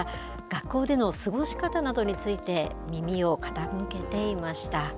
学校での過ごし方などについて、耳を傾けていました。